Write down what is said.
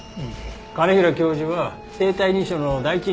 兼平教授は生体認証の第一人者だから。